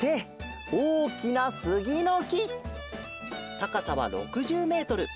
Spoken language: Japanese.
たかさは６０メートル。